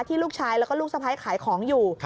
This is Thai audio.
ลูกชายแล้วก็ลูกสะพ้ายขายของอยู่